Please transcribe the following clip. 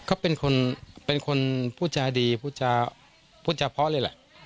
เขาเป็นคนพูดจาดีพูดจาพอดีเลยแหละ